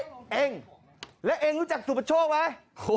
เฮ้เองและเองรู้จักสุปชกไหม